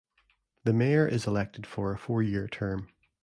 The mayor is elected for a four-year term.